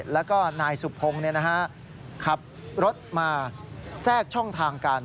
แล้วก็นายสุพงศ์ขับรถมาแทรกช่องทางกัน